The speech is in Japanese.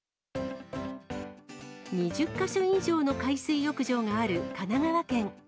２０か所以上の海水浴場がある神奈川県。